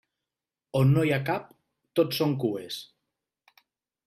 On no hi ha cap, tot són cues.